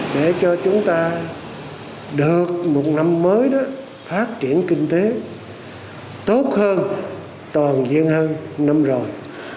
để cho chúng ta được một năm mới đó phát triển kinh tế tốt hơn toàn diện hơn năm rồi